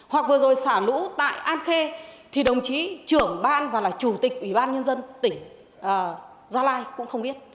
hoặc vừa rồi xả lũ tại an khê thì đồng chí trưởng ban và là chủ tịch ủy ban nhân dân tỉnh gia lai cũng không biết